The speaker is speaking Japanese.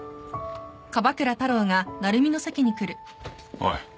・おい。